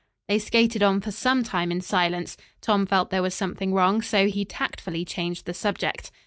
They skated on for some time in silence. Tom felt there was something wrong, so he tactfully changed the subject.